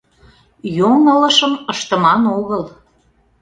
Йоҥылышым ыштыман огыл.